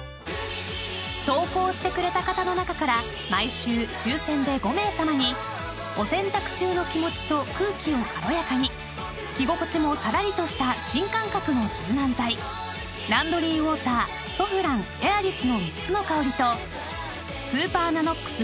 ［投稿してくれた方の中から毎週抽選で５名さまにお洗濯中の気持ちと空気を軽やかに着心地もさらりとした新感覚の柔軟剤ランドリーウォーターソフランＡｉｒｉｓの３つの香りとスーパーＮＡＮＯＸ